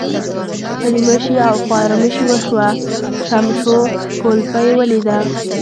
ستړي مشي او خوارمشي وشوه، شمشو کولپۍ ولیده.